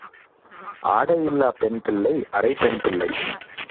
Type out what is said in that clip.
ஆடை இல்லாப் பெண்பிள்ளை அரைப் பெண்பிள்ளை.